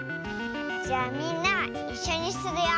じゃみんないっしょにするよ。